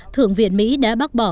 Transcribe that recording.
thượng viện mỹ đã bác bỏ